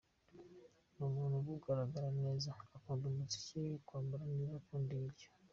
Ni umuntu uba ugaragara neza, ukunda umuziki, kwambara neza ,ukunda ibiryo .